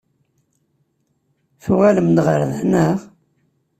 Tuɣalem-d ɣer da, naɣ?